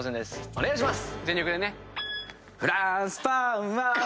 お願いします。